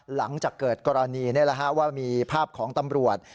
หลังจากเกิดกรณีว่ามีภาพของตำรวจ